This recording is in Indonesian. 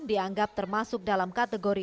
dianggap termasuk dalam kategori